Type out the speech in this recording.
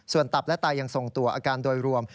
ส่วนตับและไตยังส่งตัวอาการโดยรวม